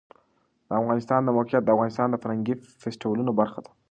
د افغانستان د موقعیت د افغانستان د فرهنګي فستیوالونو برخه ده.